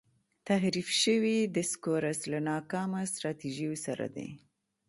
تحریف شوی دسکورس له ناکامه سټراټیژیو سره دی.